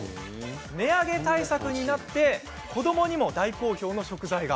値上げ対策にもなって子どもにも大好評の食材が